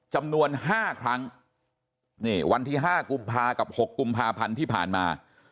จำนวน๕ครั้งนี่วันที่๕กุมภากับ๖กุมภาพันธ์ที่ผ่านมา